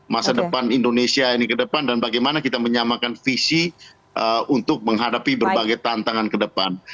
masa depan indonesia ini ke depan dan bagaimana kita menyamakan visi untuk menghadapi berbagai tantangan ke depan